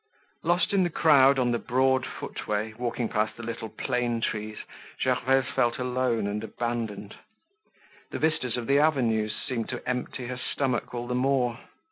Lost in the crowd on the broad footway, walking past the little plane trees, Gervaise felt alone and abandoned. The vistas of the avenues seemed to empty her stomach all the more.